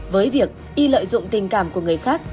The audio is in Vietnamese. với việc y lợi dụng tình cảm của người khác